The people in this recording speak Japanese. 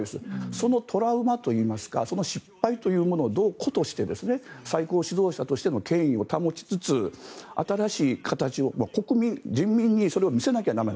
そのトラウマといいますかその失敗というものを最高指導者としての権威を保ちつつ新しい形を国民、人民にそれを見せなきゃ駄目だ。